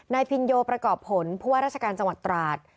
พินโยประกอบผลผู้ว่าราชการจังหวัดตราด